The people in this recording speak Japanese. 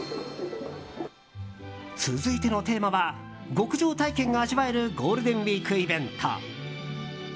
続いてのテーマは極上体験が味わえるゴールデンウィークイベント。